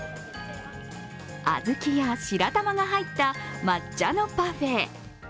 小豆や白玉が入った抹茶のパフェ。